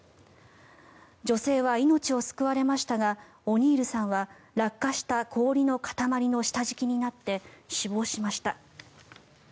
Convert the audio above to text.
女性は命を救われましたがオニールさんは落下した氷の塊の下敷きになって死亡しました。